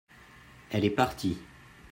elles est partie.